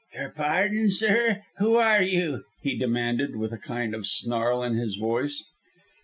"Your pardon, sir, who are you?" he demanded, with a kind of snarl in his voice.